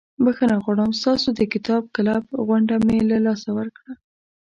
بخښنه غواړم ستاسو د کتاب کلب غونډه مې له لاسه ورکړه.